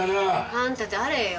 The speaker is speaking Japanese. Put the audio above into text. あんた誰よ？